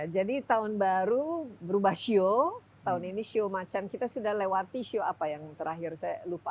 jadi tahun baru berubah sio tahun ini sio macan kita sudah lewati sio apa yang terakhir saya lupa